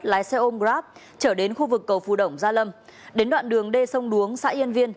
lái xe ôm grab trở đến khu vực cầu phù đồng gia lâm đến đoạn đường đê sông đuống xã yên viên